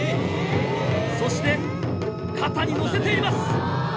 そして肩に乗せています。